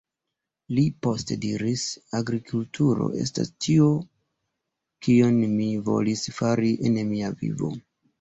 Li poste diris "agrikulturo estas ĉio kion mi volis fari en mia vivo.